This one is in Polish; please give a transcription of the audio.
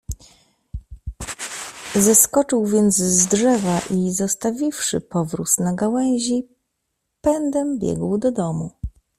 "Zeskoczył więc z drzewa i zostawiwszy powróz na gałęzi, pędem biegł do domu."